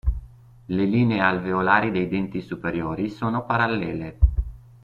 Le linee alveolari dei denti superiori sono parallele.